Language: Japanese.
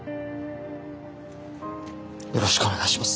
よろしくお願いします。